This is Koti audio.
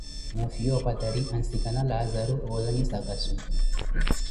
Noofiya opatari ansikana Laazaru oozanyisaka swi.